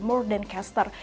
lebih dari caster